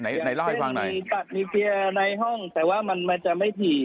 อย่างเช่นมีตัดมีเชียร์ในห้องแต่ว่ามันจะไม่ถี่